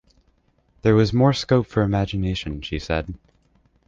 ‘There was more scope for imagination,’ she said.